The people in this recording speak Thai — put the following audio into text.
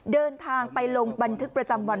เดินทางไปลงบันทึกประจำวัน